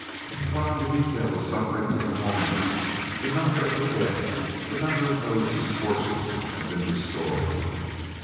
It went on to detail the sufferings of the homeless, the number of the dead, the number of those whose fortunes had been destroyed.